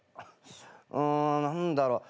うん何だろう？